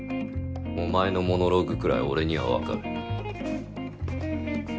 お前のモノローグくらい俺には分かる。